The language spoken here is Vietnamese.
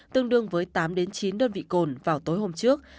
tương đương với tám chín đơn vị cồn vào tối hôm trước